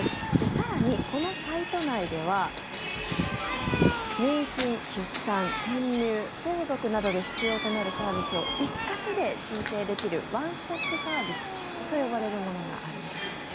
更に、このサイト内では妊娠、出産、転入、相続などで必要となるサービスを一括で申請できるワンストップサービスと呼ばれるものがあるんだそうです。